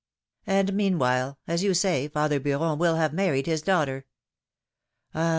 ''And, meanwhile, as you say, father Beuron will have married his daughter. Ah!